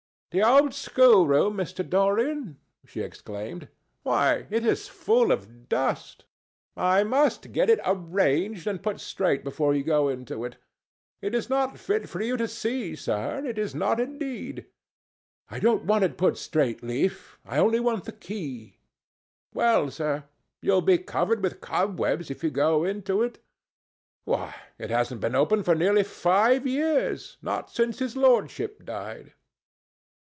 "The old schoolroom, Mr. Dorian?" she exclaimed. "Why, it is full of dust. I must get it arranged and put straight before you go into it. It is not fit for you to see, sir. It is not, indeed." "I don't want it put straight, Leaf. I only want the key." "Well, sir, you'll be covered with cobwebs if you go into it. Why, it hasn't been opened for nearly five years—not since his lordship died."